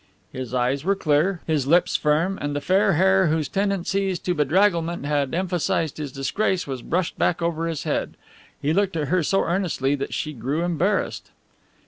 His eyes were clear, his lips firm, and the fair hair whose tendencies to bedragglement had emphasized his disgrace was brushed back over his head. He looked at her so earnestly that she grew embarrassed.